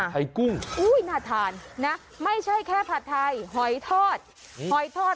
ไทยกุ้งน่าทานไม่ใช่แค่ผัดไทยหอยทอด